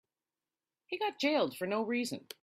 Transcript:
He got jailed for no reason.